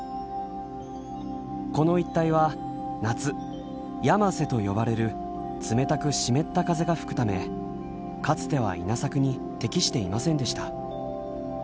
この一帯は夏やませと呼ばれる冷たく湿った風が吹くためかつては稲作に適していませんでした。